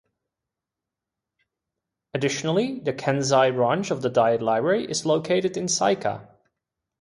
Additionally, the Kansai branch of the Diet Library is located in Seika.